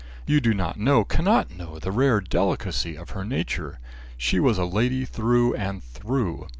You do not know, cannot know, the rare delicacy of her nature. She was a lady through and through.